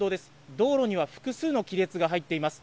道路には複数の亀裂が入っています。